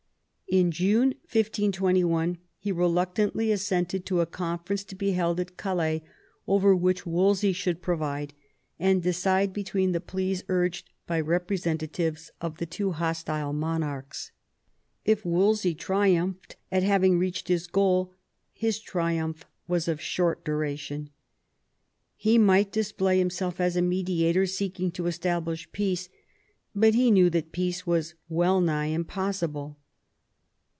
In June 1521 he reluctantly assented to a conference to be held at Calais, over which Wolsey should preside, and decide between the pleas urged by representatives of the two hostile monarchs. If Wolsey triumphed at having reached his goal, his triumph was of short duration. He might display himself as a mediator seeking to establish peace, but he knew that peace was well nigh impossible.